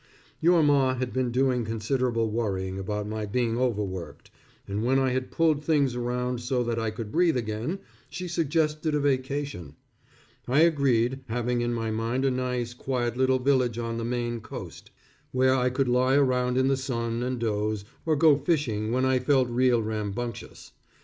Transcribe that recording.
Your Ma had been doing considerable worrying about my being overworked, and when I had pulled things around so that I could breathe again, she suggested a vacation. I agreed having in my mind a nice, quiet, little village on the Maine coast, where I could lie around in the sun and dose, or go fishing when I felt real rambunctious.